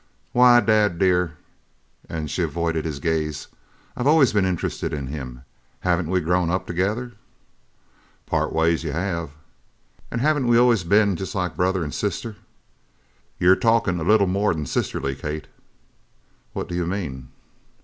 "Why, Dad, dear," and she avoided his gaze, "I've always been interested in him. Haven't we grown up together?" "Part ways you have." "And haven't we been always just like brother and sister?" "You're talkin' a little more'n sisterly, Kate." "What do you mean?"